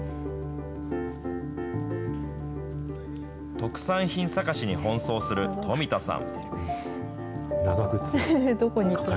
特産品探しに奔走する富田さん。